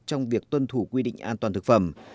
trong việc tuân thủ quy định an toàn thực phẩm